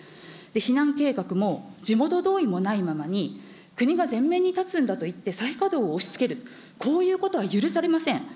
避難計画も地元同意もないままに、国が前面に立つんだと言って再稼働を押しつける、こういうことは許されません。